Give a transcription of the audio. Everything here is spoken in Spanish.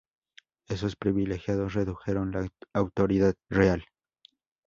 Esos privilegios redujeron la autoridad real.